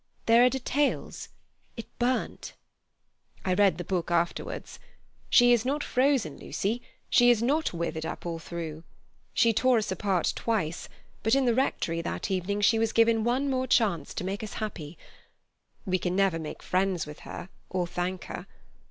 There are details—it burnt. I read the book afterwards. She is not frozen, Lucy, she is not withered up all through. She tore us apart twice, but in the rectory that evening she was given one more chance to make us happy. We can never make friends with her or thank her.